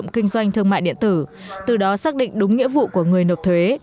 kinh doanh thương mại điện tử từ đó xác định đúng nghĩa vụ của người nộp thuế